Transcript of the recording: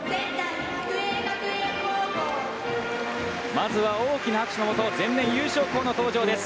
まずは大きな拍手のもと前年優勝校の登場です。